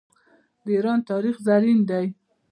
د ایران تاریخ زرین دی.